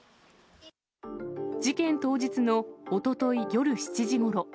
事件当日のおととい夜７時ごろ。